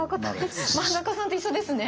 漫画家さんと一緒ですね。